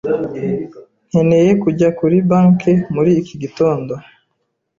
Nkeneye kujya kuri banki muri iki gitondo.